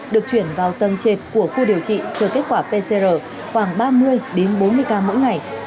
được chuyển vào tầng trệt của khu điều trị chờ kết quả pcr khoảng ba mươi bốn mươi ca mỗi ngày